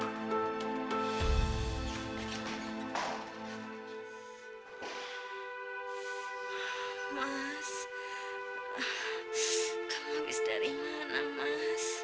kamu habis dari mana mas